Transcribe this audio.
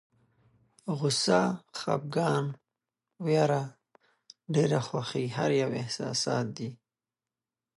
غوسه، خپګان، ویره، ډېره خوښي هر یو احساسات دي.